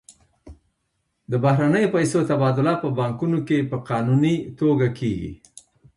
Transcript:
د بهرنیو پیسو تبادله په بانکونو کې په قانوني توګه کیږي.